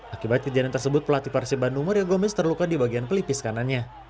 akibat kejadian tersebut pelatih persib bandung mario gomez terluka di bagian pelipis kanannya